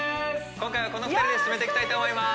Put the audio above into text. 今回はこの２人で進めていきたいと思います